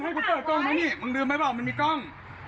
มึงให้กูเปิดกล้องมานี่มึงลืมไหมว่ามันมีกล้อง